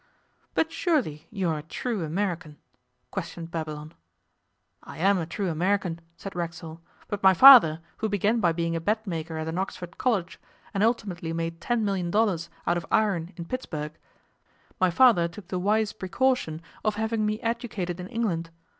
'But surely you are a true American?' questioned Babylon. 'I am a true American,' said Racksole, 'but my father, who began by being a bedmaker at an Oxford college, and ultimately made ten million dollars out of iron in Pittsburg my father took the wise precaution of having me educated in England.